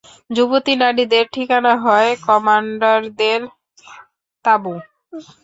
যুবতী নারীদের ঠিকানা হয় কমান্ডারদের তাঁবু।